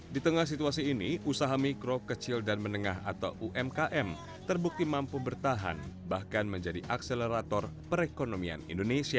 di tengah situasi ini usaha mikro kecil dan menengah atau umkm terbukti mampu bertahan bahkan menjadi akselerator perekonomian indonesia